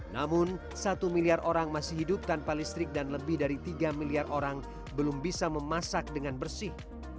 namun satu miliar orang masih hidup tanpa listrik dan lebih dari tiga miliar orang belum bisa memasak dengan bersih